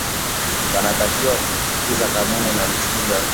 wanatakiwa kusisitiza kanuni na msingi ya katiba